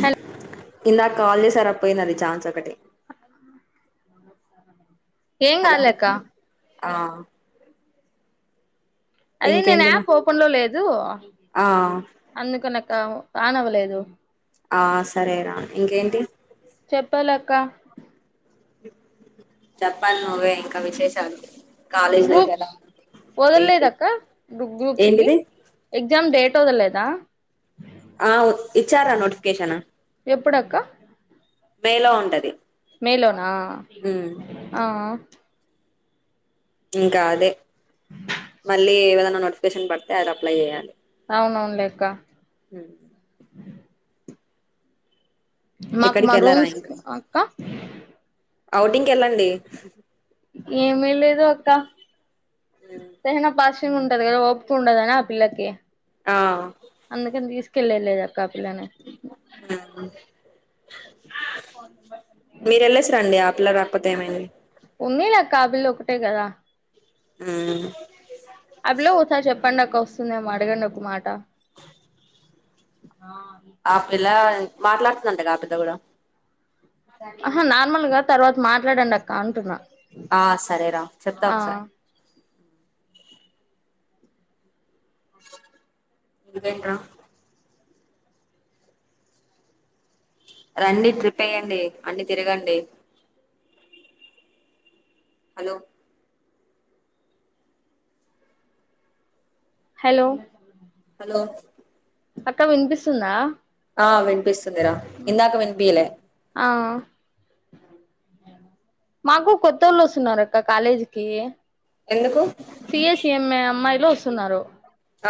Hello ఇందాక call చేసార పోయింది అది ఛాన్స్ ఒకటి [unintelligible] ఏం హలో కాలేక్క ఆ అదే నేను ఇంకేంటి మ ఆప్ ఓపన్ లో లేదు దు ఆ అందుకు నా కా ఆన్ అవ్వలేదు ఆ సరేరా ఇంకేంటి చెప్పాలక్క చెప్పాలి నువ్వే ఇంకా విశేషాలు కాలేజ్ లైఫ్ ఎలా గ్రూప్స్ ఉంది వదలలేద ఏంటి అక్క గ్రూప్స్ కి ఏంటిది ఎగ్జామ్ డేట్ వదలలేదా ఆ ఇచ్చారా నోటిఫికషన్ ఎప్పుడక్క మేలో ఉంటది మేలోనా ఉమ్ ఆ ఇంకా అదే మళ్ళీ [unintelligible] దన్నా నోటిఫి నోకషన్ పడితే ఆది అప్లై చేయాలి అవునవునులేక్క హ్మ్ మాకు ఎక్కడికి మా వెళ్ళారా రూమ్స్ అక్క అవుటింగ్కి వెళ్ళండి ఏమీ లే ద్ అక్క తెహానా పాష్ ఉంటది కదా ఒపిక ఉండదనీ ఆ పిల్లకి ఆ కళ్లే లేద్ కాపులనే మీరు ఎళ్ళసి రండి ఆ పిల్ల ర పోతే ఏమైంది ఉనిలే అక్క ఆ పిల్ల ఒకటే కదా ఉమ్ ఆ పిల్ల ఒకసారి చెప్పండి అక్క వస్తుందేమో అడగండి ఒక మాట ఆ పిల్ల మాట్లాడుతుందంట గా ఆ పిల్ల కూడా ఆహా నార్మల్గా తర్వాత మాట్లాడండి అక్క అంటున్నా ఆ సరే రా చెప్తా ఆ ఒకసారి ఇంకేంటి రా రండి ట్రిప్ ఎయాండి అన్ని తిరగండి హలో హలో హలో అక్క వినిపిస్తుందా ఆ వినిపిస్ స్తుంది రా ఇందాక వినిపియాలే ఆ మాకు కొత్త ఒళ్ళు వస్తున్నారు అక్క కాలేజీకిి ఎందుకు సిఎస్ఎంఏ అమ్మాయిలో తున్నారు? ఆ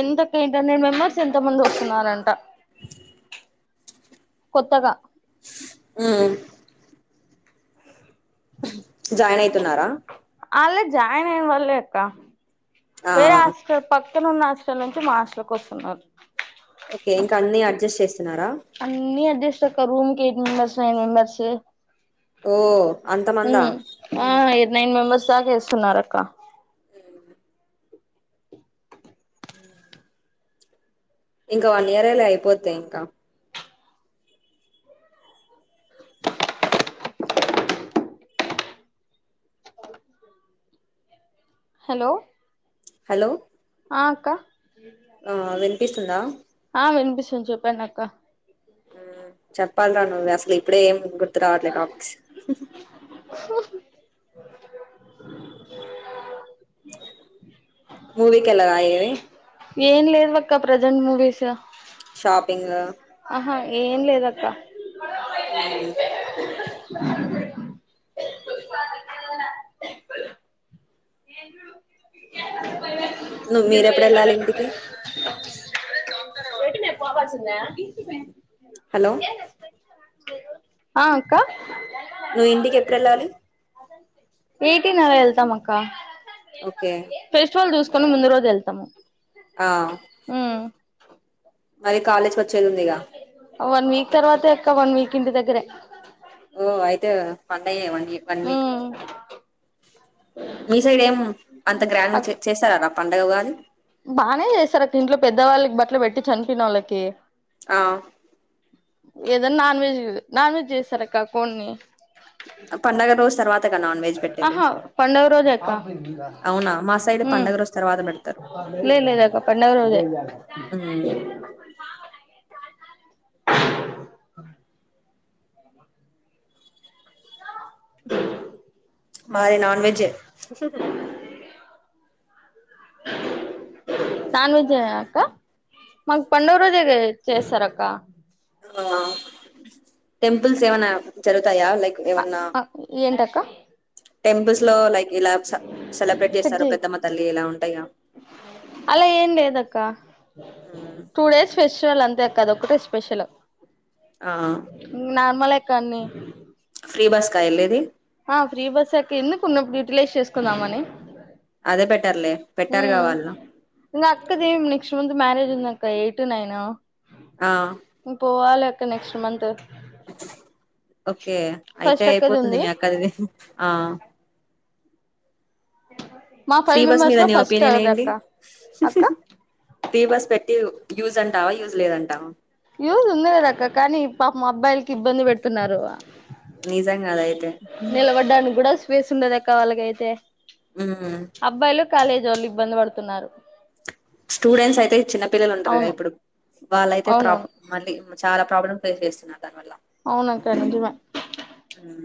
ఎంతకే టెన్ మెమ్మర్స్ ఎంతొమంది వస్తున్నారంట. కొత్తగ ఆ [inaudible] జాయినయి తున్నారా? ఆళ్లె జాయిన్ అయిన వాళ్ళే అక్క. ఆ వేరే ఆస్టల్ పక్ పక్కనున్న హస్టల్ నుంచి మా హాస్టల్ కొస్తున్నారు. ఓకే ఇంకా అన్ని అడ్జస్ట్ చేస్తున్నారా అన్ని అడ్జె స్ట్ అక్క. రూమ్ కి ఎట్ మెంబర్స్, నైన్ మెంబర్స్. ఓ అంత మందా? ఉమ్ ఆ నైన్ మెంబర్స్ దాక ఏస్తున్నార్ అక్క. ఇంక వన్ ఇయరె లె, అయిపోతయ్ ఇంక. హలో హలో ఆ అక్క? ఆ విన్ పీస్తుందా? ఆ వినిపిస్తుంది. చెప్పండక్క. మ్ చెప్పాల్రా నువ్వే అసల్ ఇప్పుడే ఏం గుర్తుకురావట్లే టాపిక్స్. మూవీకెల్లవా ఏ? ఏం లెవ్వ్ అక్క ప్రజెంట్ మూవీస్. పాపింగ్ ఆహా ఏం లేదక్క. మ్ అ నువ్వు ఎలా మీరెప్పుడు ఎడ వెళ్ళాలి ఇంటికి ఏటినే పావా చిన్నకు హలో ఆ అక్క నువ్వు ఇంటికి ఎప్పుడెళ్ళాలి? ఎయిటీన్ అలా ఎళ్తాం అక్క. ఓకే ఫెస్టివల్ చూస్ తోను ముందు రోజెళ్తాము. ఆ మరి కాలేజ్కి వచ్చేది ఉంది వన్ వీక్ తర్వాత వెళ్తా వన్ వీక్ ఇంటి దగ్గరే ఓ అయితే పండగే అయితేవన్ వన్ వీక్ ఉమ్ మీ సైడ్ ఏం అంత గ్రాండ్ చేశారలా పంండగ ఉగాది బాగానే చేస్తారు అక్క ఇంట్లో పెద్దవాళ్ళకి బట్టల పెట్టి చనిపోన వాళ్ళకి ఆ ఏదన్నా నాన్ వెజ్ నాన్ వెజ్ చేస్తారక్క కొన్ని పంండగ రోజు తర్వాత ఆహా పండవ రోజ ఎ అవునా మా సైడ్ పండగ రోజు తర్వాత పెడతారు లే లేదుక పండ రోజ ఉమ్, [unintelligible] [inaudible] మారే నన్ వెెజ నాన్ వెజ్ అక్క మాకు పండుగ రోజ చేస్తార అక్క ఆ టెంపుల్స్ ఏమైనా జరుగుతాయా లైక్ ఏమన్నా అక్క టెంపుల్స్ లో లైక్ ఇలా సెలబ్రేట్ కట్ చేస్తారు చెయ్ పెద్దమ్మ తల్లి ఇలా ఉంటాయా అలా ఏం లేదక్క అదేద ఒకటే స్పెషల్ ఆ మల కాన్ని ఫ్రీ బస్కా వెళ్ళది ఆ ఫ్రీ బస్ అక ఎందుకు ఉన్నప్పుడు యూటిలైజ్ చేసుకుందాంమని అదే బెటర్లే పెట్టారు కావాలు ఇం అక్కది ఏమి నెక్స్ట్ మంత్ మ్యారేజ్ ఉంది అక్క ఎయిట్ టు నైన్ ఆ పోవాల నెక్స్ట్ మంత్ ఓకే అయితే ఫస్ట్ అక్కది అయిపోతుంది ఉంది మీ అక్కదివి ఆ అ ఫ్రీ బస్ మీద అనే ఒపీనియన్ ఏంటి అక్క ఫ్రీ బస్ పెట్టి యూజ్ అంటావా యూజ్ లేదంటావా యూజు ఉందిదక్క కానీ పా అబ్బాయిలకి ఇబ్బంది పెడుతున్నారు నిజాంగా అదయి నెలగడ్డను కూడా వేసి ఉండద కా అలాగ అైతే హమ్ కాలేజీ వాళ్ళు ఇబ్బంది పడుతున్నారు స్టూడెంట్స్ అయితే చిన్న పిల్లలు ఉంటారు కదా అవును ఇప్పుడు వాళ్ళయితే ప్రాబ్ అవునవును మళ్ళీ చాలా ప్రాబ్లమ్ ఫేస్ చెస్తున్నారు దాని వల్ల అవునాక్క నిజమే హు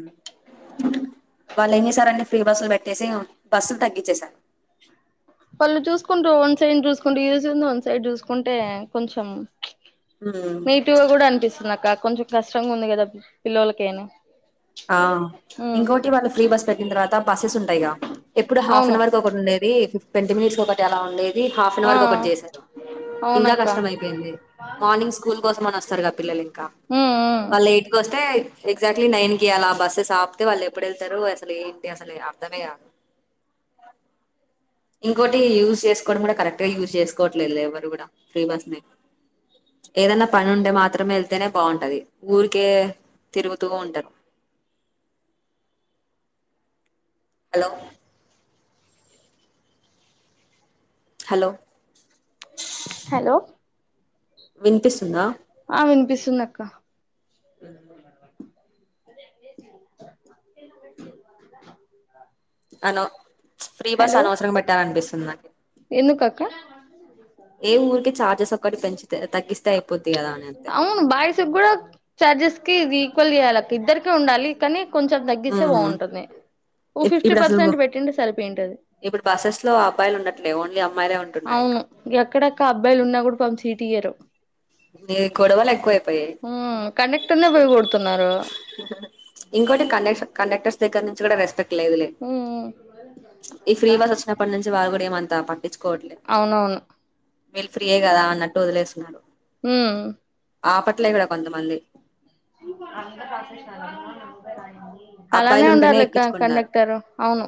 వాళ్ళు ఏం చేసారండి ఫ్రీ బస్లు పెట్టేసి బస్సులు తగ్గించ్చేసరు వాళ్ళు చూసుకుంటూ వన్ సైడ్ చూసుకుంటు యూస్ ఉంది వన్ సైడ్ చూసుకుంటే కొంచెం హ్మ్ నెగిటివ్ గా కూడా అనిపిస్తుందక్క కొంచెం కష్టంగా ఉంది కదా పిళ్ళోల్లకేని ఆ ఇంకోటి వాళ్ళు ఫ్రీ బస్ పెట్టిన తర్వాత బస్సెస్ ఉంటాయిగా ఎప్పుడు హాఫ్ అన్ అవును అవర్ కి ఒకటి ఉండేది ఫిఫ్ ట్వన్టీ మినిట్స్ కి ఒకటి అలా ఉం ది హాఫ్ అన్ ఆ అవర్ ఒకటి చేశారు ఇంకా అవునక్క కష్టం అయిపోయింది మార్నింగ్ స్కూల్ కోసం అని వస్తారు గా పిల్లలు ఇంకా ఉమ్ ఉమ్ వాళ్ళు ఎయిట్కి వస్తే ఎక్జాక్ట్లీ నైన్ కి అలా బసెస్ ఆపితే వాళ్ళు ఎప్పుడేళ్తారు అసలు ఏంటి అసలు అర్ధమే కాదు ఇంకోటి యూజ్ చేసుకోవడం కూడా కరెక్ట్గా యూజ్ చేసుకోవట్లేదు లే ఎవరు కూడా ఫ్రీ బస్ నైనా ఏదన్నా పని ఉంటే మాత్రమే వెళ్తేనే బాగుంటది ఊరికే తిరుగుతూ ఉంటారు హలో హలో హలో వినిపిస్తుందా ఆ వినిపిస్థుందక్క. అనవ్ ఫ్రీ బస్ హలో అనవసరంగా బెట్టారు అనిపీస్ న్నకి ఎందుకక్క. సోక్కటి పెంచ్ ఆ అవును బయిస్స్ కూడా చార్జెస్ కి రి క్కోల్ చేయాలక్క ఇద్దరికి ఉండాలి కానీ. కొంచెం తగ్గిస్తే బాగుంటుంది. ఓ ఇప్ ఫిఫ్టీ ఇప్పుడసలు పర్సెంట్ పెట్టింటే సరిపోయింటది ఇప్పుడు బస్సెస్ లో అబ్బాయిలు ఉండట్లే ఓన్లీ అమ్మాయిలే ఉంటున్నారు అవును ఇంకా. ఎక్కడక్క అబ్బాయిలున్న కూడా పాపం సీటియ్యారు. ఈ గొడవలు ఎక్కువైపోయాయి ఉమ్ కండక్టర్నే పోయి కొడుతున్నారు ఇంకోటి కండక్ కండక్టర్స్ దగ్గర్నుంచి కూడా రెస్పెక్ లేదులే ఉమ్ ఈ ఫ్రీ బస్ వచ్చినప్పటి నుంచి వాళ్ళు కూడా ఏమంత పట్టించుకోవట్లే అవునవును వీళ్ళు ఫ్రీయే కదా అన్నట్టు వదిలేస్తున్నారు. హుమ్ ఆపట్లే కూడా కొంతమంది. [inaudible] అలానే అబ్బాయిలు ఉంటేనే ఉండాలక్క ఎక్కించుకున్నారు కండక్టర్ అవును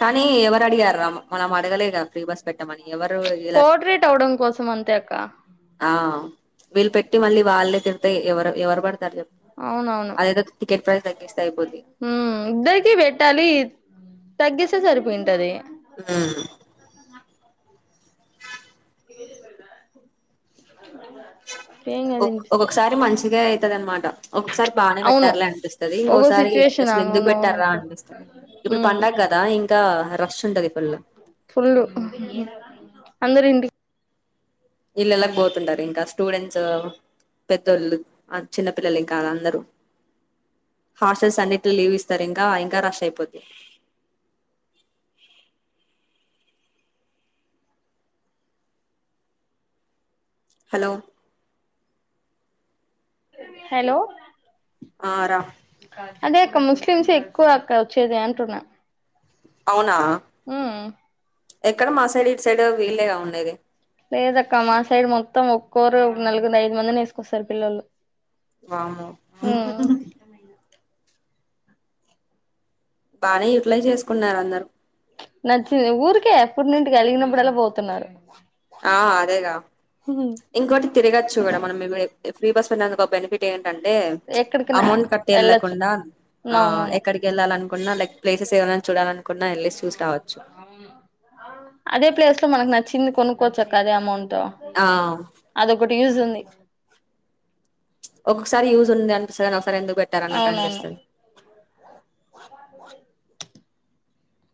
కానీ ఎవరు అడిగారా మనం అడగలేగా ఫ్రీ బస్ పెట్టమని ఎవరు ఇలా పోర్ట్రేట్ అవడం కోసం అంతే అక్క ఆ వీళ్ళు పెట్టి మళ్ళీ వాళ్ళే కియితే ఇవరు. ఎవరు పడతారు చెప్ అదేదొ. హమ్ ఇద్దరకి బెట్టాలి తగ్గిస్ స్తే సరిపోయింటది ఉమ్ [unintelligible] ఏం ఓ కాదు వినిపిస్తే ఒక్కొక్కసారి మంచిగా ఐతది అనమాట ఒక్కొక్కసారి బానే అవును బెట్టార్లే అనిపిస్తది ఒగో ఇంకొకసారి సిచ్యువేషన్ అసలు ఎందుకు పెట్టారా అవునవునక్క అనిపిస్తుంది ఇప్పుడు ఉమ్ పండగదా ఇం. ఇంకా రష్ ఉంటది ఫుల్ ఫుల్లు అందరి ఇంటికి ఇల్లలాకి పోతుంటారు ఇంకా స్టూడెంట్స్ పెద్దోళ్ళు చిన్న పిల్లలు ఇంకా అందరూ హాస్టల్ సన్నిట్లో లీవ్స్ ఇస్తారు ఇంకా ఇంకా రష్ ఐపొద్దీ హలో హలో ఆ రా అదే అక్క ముస్లిమ్స్ ఎక్కువ అక్కడ వచ్చేది అంటున్నా అవునా ఉమ్ ఎక్కడ మా సైడ్ ఇటు సైడ్ వీలేగా ఉండేది. లేదక్క మా సైడ్ మొత్తం ఒక్కోరు ఒక నలుగు ఐదు మందిని వేసుకొస్తారు పిల్లలు వామ్మో ఉమ్ బాగానే యూటిలైజ్ చేసుకున్నారు అందరు నచ్చింది ఊరికే ఎప్పుటి నుంటి కలిగినప్పుడలా పోతున్నారు ఆ అదేగా ఇంకోటి తిరగచ్చు కూడా మనం ఫ్రీ బస్ ఇందు ఒక బెనిఫిట్ ఏ అంటే ఎక్కడికైనా అమౌంట్ కట్టి వెళ్ళొచ్చు వెళ్కుండా ఆ అవునవును ఎక్కడికి వెళ్ళాలనుకున్నా లై ప్లేసెస్ ఏవ చూడాలనుకున్నా వెళి చూసి రావచ్చు ఒక చక్క అమౌంట్ ట్ ఆ అది కూడా యూస్ ఉంది ఒకసారి యూస్ ది అనిపిస్తుందిని ఒకసారి ఎందుకు పెట్టారు అన్నట్టు అవునవును అనిపిస్తుంది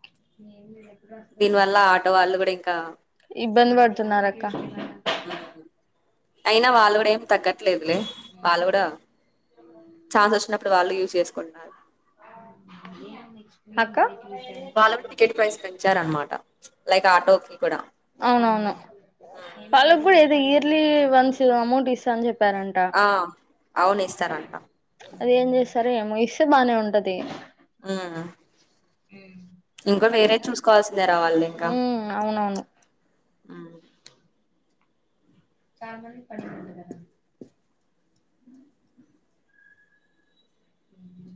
హ దీని వల్ల ఆటో వాళ్ళు కూడా ఇంకా ఇబ్బంది పడుతున్నారుక్క హ్మ్ అయినా వాళ్ళు కూడా ఏం తగ్గట్ లేదులే వాళ్లు కూడా చాన్స్ వచ్చినప్పుడు వాళ్లు యూస్ చేసుకుంటున్నారు [inaudible] వాళ్ళకి [unintelligible] ప్రైస్ కం ఇచ్చారనమాట లైక్ ఆటోకి కూడా అవునవును వాళ్ళకి కూడా ఇది [unintelligible] వన్స్ అమౌంట్ ఇస్తా అని చెప్ప ఆ అవును ఇస్తారంట గ ఏం చేస్తారో ఏమో ఇస్తే బానే ఉంటది ఆ ఇంకో వేరే చూసుకోవాల్సిందే రా వాళ్ళు ఉ అవునవును ఆ చాల మంది పడుకుంటున్నారా ఉ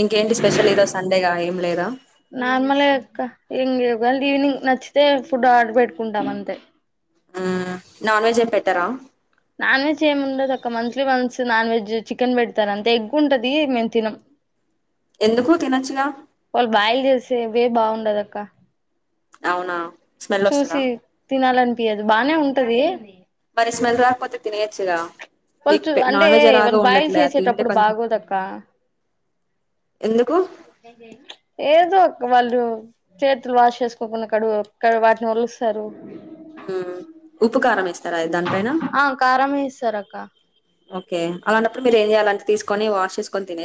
ఇంకేంటి స్పెషల్ ఇరోజు సండేగా ఏం లేదా ఎం లేదు ఈవినింగ్ నచ్చితే ఫుడ్ ఆర్డర్ పెట్టుకుంటాం అంతే ఆ నాన్ వేజ్ ఎం పెట్టరా నాన్ వెెజ్ ఏమి ఉండదు అక్క monthly months non veg chicken పెడతారు అంతే ఎగ్గు ఉంటది మేము తినం ఎందుకు తినొచ్చుగా వాళ్ళు బెయిల్ చేసేడి బాగుండదు అక్క అవునా స్మెల్ వస్తదా లేదు బానే ఉంటది మరీ స్మెల్ రాకపోతే తినవచ్చు కదా వాళ్ళు చ అంటే వాళ్ళు బాయిల్ అది తింటే చేసేటప్పుడు కొంచెం బాగోదక్క ఎందుకు ఏదో వాళ్ళు చేతులు వాష్ చేసుకోకుండా కడు వాటిని ఒలుస్తారు ఉప్పుకారం ఏస్తా రా దాని పైన ఆ కారం వేస్తారు అక్క ఒకే అలాంటప్పుడు మీరు ఎం చేయాలి అంటే తీసుకొని వాష్ చేసుకొని తినేసి